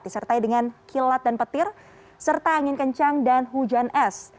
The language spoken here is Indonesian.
disertai dengan kilat dan petir serta angin kencang dan hujan es